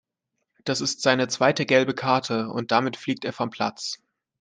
Das ist seine zweite gelbe Karte und damit fliegt er vom Platz.